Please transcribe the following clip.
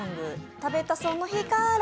食べたその日から